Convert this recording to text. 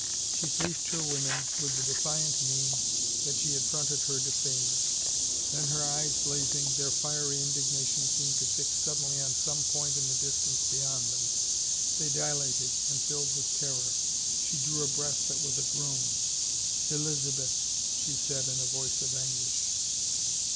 She faced her women with the de fiant mien that she had fronted her defamers; then her eyes blazing, their fiery indignation seemed to fix sud denly on some point in the distance beyond them ; they dilated and filled with terror. She drew a breath that was a groan. "Elisabeth," she said in a voice of anguish.